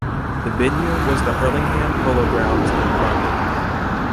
The venue was the Hurlingham Polo Grounds in London.